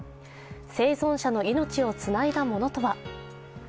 生存者の命をつないだものとは？